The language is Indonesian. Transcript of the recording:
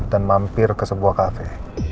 dan mampir ke sebuah cafe